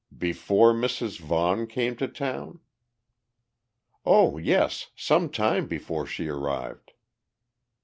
"Before Mrs. Vaughan came to town?" "Oh yes, some time before she arrived."